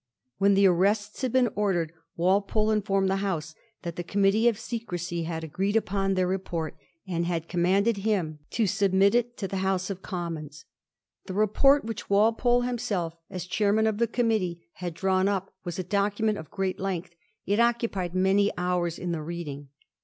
When the arrests had beea ordered Walpole informed the House that the Com mittee of Secrecy had agreed upon their report, aad had commanded him to submit it to the House of Commons. The report, which Walpole himseli^ as chairman of the committee, had drawn up, was a document of great length ; it occupied many hours in the reading.